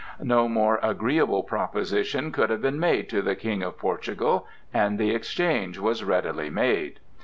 No more agreeable proposition could have been made to the King of Portugal, and the exchange was readily made.